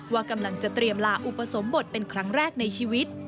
ว่ากำลังจะเตรียมลาอุปสมบทเป็นครั้งแรกในชีวิต